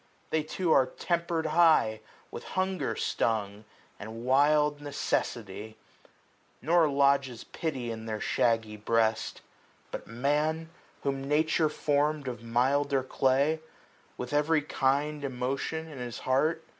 They too are tempered high, 345 With hunger stung, and wild necessity j Nor lodges pity in their shaggy breast. But Man, whom Nature form'd of milder clay. With every kind emotion in his heart.